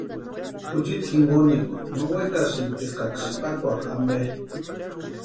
Juchiti jinkonikwa no wekasïnti eskaksï sïpakwaaka ampe.